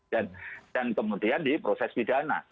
dan kemudian di proses pidana